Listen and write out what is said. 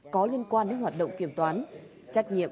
có liên quan đến hoạt động kiểm toán